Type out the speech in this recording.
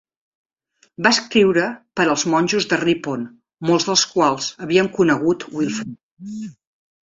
Va escriure per als monjos de Ripon, molts dels quals havien conegut Wilfrid.